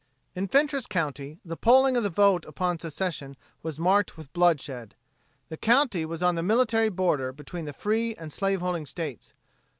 In Fentress county, the polling of the vote upon secession was marked with bloodshed. The county was on the military border between the free and the slaveholding states.